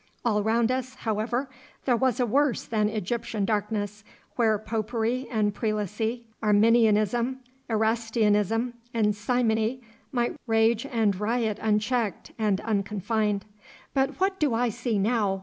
All round us, however, there was a worse than Egyptian darkness, where Popery and Prelacy, Arminianism, Erastianism, and Simony might rage and riot unchecked and unconfined. But what do I see now?